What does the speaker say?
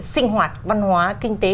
sinh hoạt văn hóa kinh tế